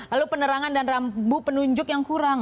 lalu penerangan dan rambu penunjuk yang kurang